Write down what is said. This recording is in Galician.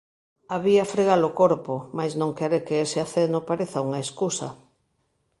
Había frega-lo corpo, mais non quere que ese aceno pareza unha escusa.